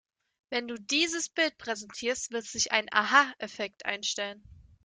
Wenn du dieses Bild präsentierst, wird sich ein Aha-Effekt einstellen.